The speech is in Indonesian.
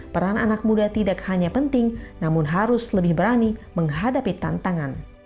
peran anak muda tidak hanya penting namun harus lebih berani menghadapi tantangan